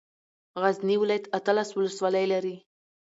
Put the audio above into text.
غزني ولايت اتلس ولسوالۍ لري.